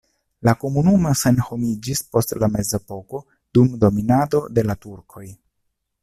La komunumo senhomiĝis post la mezepoko dum dominado de la turkoj.